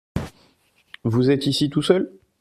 Vous êtes ici tout seul ?